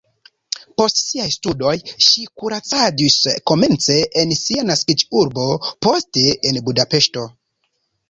Post siaj studoj ŝi kuracadis komence en sia naskiĝurbo, poste en Budapeŝto.